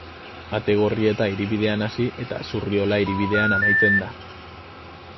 Ategorrieta hiribidean hasi eta Zurriola hiribidean amaitzen da.